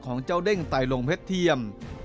ของเจ้าเด้งไตลงเพชรเทียม